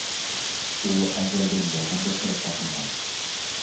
ئۇ ئەزەلدىن يالغان گەپ قىلىپ باقمىغان.